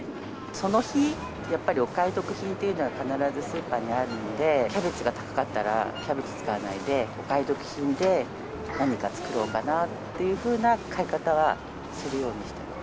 その日、やっぱりお買い得品というのは必ずスーパーにあるので、キャベツが高かったらキャベツ使わないで、お買い得品で何か作ろうかなっていうふうな買い方はするようにしてます。